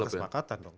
udah kesepakatan dong